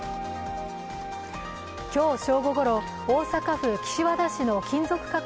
今日正午ごろ大阪府岸和田市の金属加工